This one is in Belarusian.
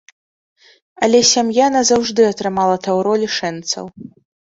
Але сям'я назаўжды атрымала таўро лішэнцаў.